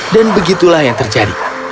dan begitulah yang terjadi